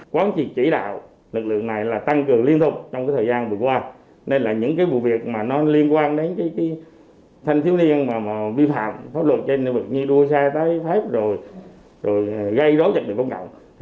quán trị chỉ đạo lực lượng này là tăng cường liên tục trong thời gian vừa qua nên là những vụ việc liên quan đến thành thiếu niên vi phạm pháp luật trên nơi vực như đua xe trái phép gây rối trật định công cộng